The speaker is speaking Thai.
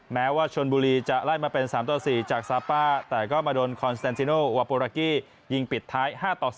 แม้ว่าชนบุรีจะไล่มาเป็น๓๔จากซาปป้าแต่โดนคอนสแตนซินโหวาพูรากิยิงปิดท้าย